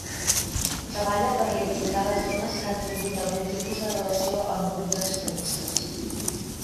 Treballa per rehabilitar les dones que han tingut algun tipus de relació amb grups extremistes.